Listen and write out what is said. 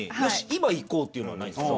今行こうっていうのはないんですか？